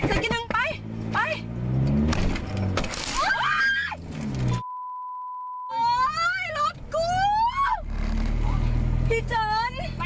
เขาเห็นขับรถของมันนะ